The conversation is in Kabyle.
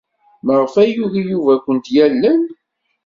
Maɣef ay yugi Yuba ad kent-yalel?